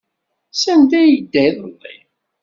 Sanda ay yedda iḍelli?